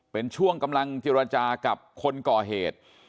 เป็นช่วงกำลังเจรจากับคนก่อเหตุ